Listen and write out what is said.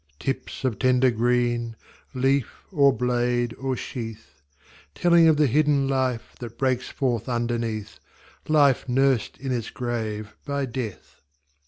Tips of tender green, Leaf, or blade, or sheath; Telling of the hidden life That breaks forth underneath, Life nursed in its grave by Death.